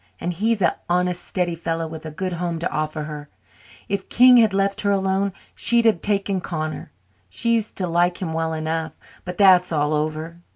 And he's a honest, steady fellow with a good home to offer her. If King had left her alone, she'd have taken Connor. She used to like him well enough. But that's all over.